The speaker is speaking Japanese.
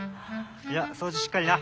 じゃあそうじしっかりな。